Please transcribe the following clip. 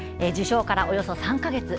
受賞からおよそ３か月。